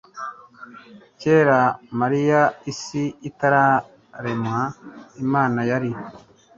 kera mariya, isi itararemwa, imana yari